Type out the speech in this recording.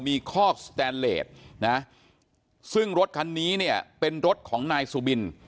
มีข้อสแตนเลสซึ่งรถคันนี้เป็นรถของนายสุบิน